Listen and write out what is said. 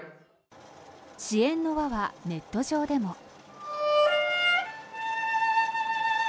支援の輪は、ネット上でも。